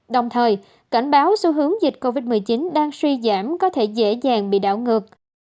đồng thời cảnh báo xu hướng dịch covid một mươi chín đang suy giảm có thể dễ dàng bị đảo ngược